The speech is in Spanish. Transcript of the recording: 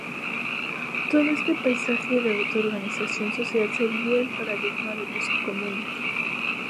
todo este paisaje de autoorganización social sería el paradigma de los comunes